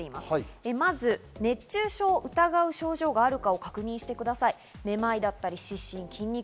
まず熱中症を疑う症状があるかを確認してください。